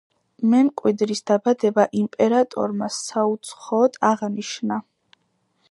მემკვიდრის დაბადება იმპერატორმა საუცხოოდ აღნიშნა.